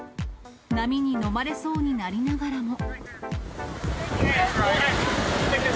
波に飲まれそうになりながらも。